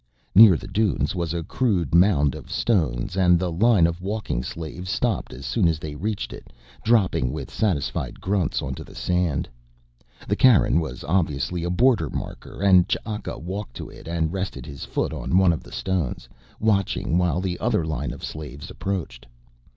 Near the dunes was a crude mound of stones and the line of walking slaves stopped as soon as they reached it, dropping with satisfied grunts onto the sand. The cairn was obviously a border marker and Ch'aka walked to it and rested his foot on one of the stones, watching while the other line of slaves approached.